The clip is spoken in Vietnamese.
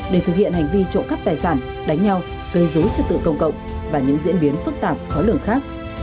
để thực hiện hành vi trộm cắp tài sản đánh nhau gây dối trật tự công cộng và những diễn biến phức tạp khó lường khác